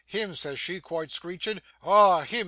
"Him!" says she, quite screeching. "Ah! him!"